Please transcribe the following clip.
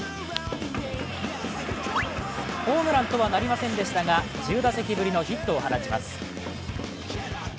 ホームランとはなりませんでしたが、１０打席ぶりのヒットを放ちます。